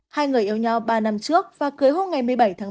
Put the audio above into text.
hai người yêu nhau ba năm trước và cưới hôn ngày một mươi bảy tháng ba